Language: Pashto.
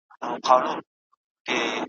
یا وینه ژاړي یا مینه `